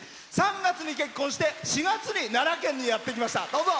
４月に結婚して奈良県にやって来ました。